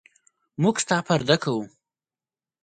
موږ ستا پرده کوو.